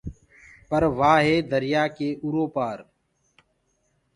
پر وآ هي دريآ ڪي اُرو پآر۔